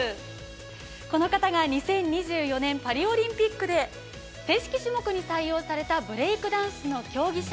この方が２０２４年パリオリンピックで正式種目に採用されたブレークダンスの競技者